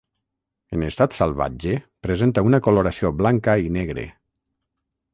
En estat salvatge presenta una coloració blanca i negre.